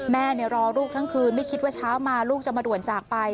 รอลูกทั้งคืนไม่คิดว่าเช้ามาลูกจะมาด่วนจากไป